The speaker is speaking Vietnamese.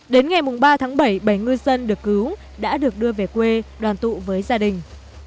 đến ngày ba tháng bảy bảy ngư dân được cứu đã được đưa về quê đoàn tụ với gia đình